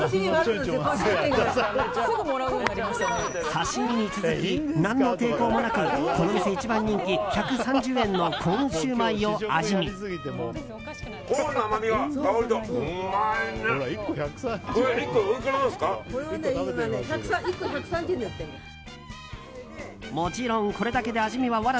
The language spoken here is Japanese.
刺し身に続き何の抵抗もなくこの店一番人気、１３０円のコーンの甘みが。